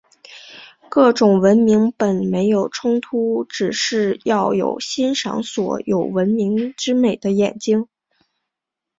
各种文明本没有冲突，只是要有欣赏所有文明之美的眼睛。